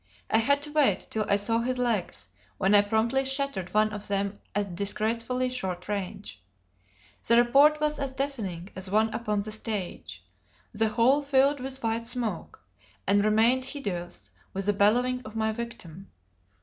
I had to wait till I saw his legs, when I promptly shattered one of them at disgracefully short range. The report was as deafening as one upon the stage; the hall filled with white smoke, and remained hideous with the bellowing of my victim.